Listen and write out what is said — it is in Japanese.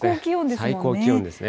最高気温ですね。